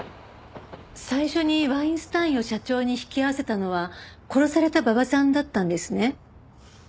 最初にワインスタインを社長に引き合わせたのは殺された馬場さんだったんですね？